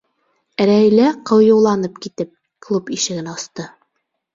Рәйлә, ҡыйыуланып китеп, клуб ишеген асты.